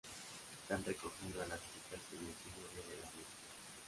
Están recogiendo a las chicas con el "síndrome de la medusa".